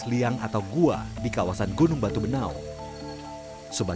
sebenarnya mereka disebut punan batu benau sajau